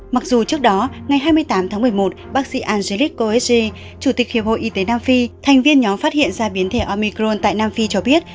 mặc dù trước đó ngày hai mươi tám tháng một mươi một bác sĩ algeriscoesg chủ tịch hiệp hội y tế nam phi thành viên nhóm phát hiện ra biến thể armycron tại nam phi cho biết